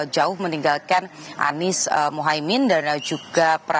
jauh meninggalkan anis muhaymin dan juga